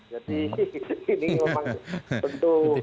jadi ini memang